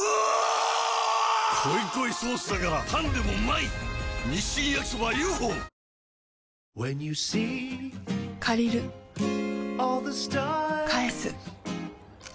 濃い濃いソースだからパンでもうまい‼日清焼そばＵ．Ｆ．Ｏ．借りる返す